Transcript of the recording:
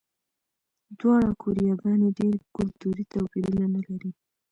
دواړه کوریاګانې ډېر کلتوري توپیرونه نه لري.